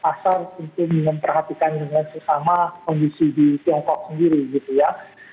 pasar tentu memperhatikan dengan sesama kondisi di tiongkok sendiri gitu ya